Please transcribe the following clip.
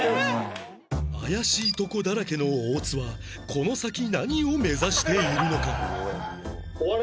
怪しいとこだらけの大津はこの先何を目指しているのか？